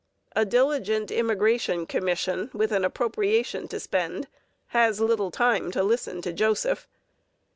A diligent immigration commission with an appropriation to spend has little time to listen to Joseph.